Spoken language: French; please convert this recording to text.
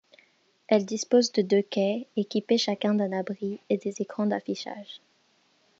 Elle dispose de deux quais, équipés chacun d'un abri et des écrans d'affichage.